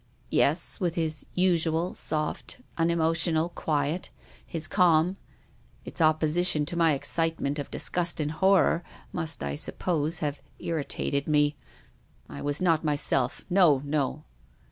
"" Yes, with his usual soft, unemotional quiet. His calm — its opposition to my excitement of disgust and horror — must, I suppose, have irritated me. I was not myself, no, no